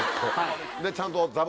ちゃんと。